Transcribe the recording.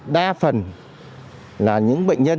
đa phần là những bệnh nhân